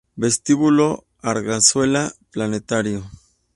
Vestíbulo Arganzuela-Planetario